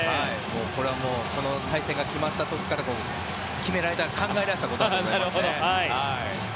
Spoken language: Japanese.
これはもうこの対戦が決まった時から決められた考えられていたことだと思いますね。